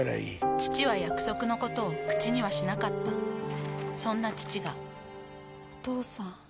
父は約束のことを口にはしなかったそんな父がお父さん。